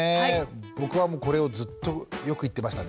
僕はもうこれをずっとよく言ってましたね。